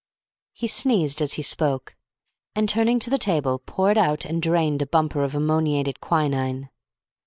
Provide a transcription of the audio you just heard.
He sneezed as he spoke, and, turning to the table, poured out and drained a bumper of ammoniated quinine.